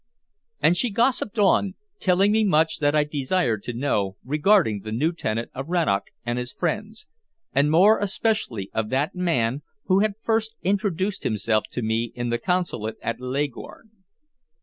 And she gossiped on, telling me much that I desired to know regarding the new tenant of Rannoch and his friends, and more especially of that man who had first introduced himself to me in the Consulate at Leghorn.